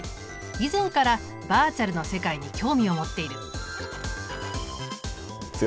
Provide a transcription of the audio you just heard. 以前からバーチャルの世界に興味を持っている。